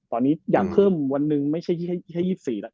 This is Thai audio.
ตอนนี้อยากเพิ่มวันหนึ่งไม่ใช่แค่๒๔แล้ว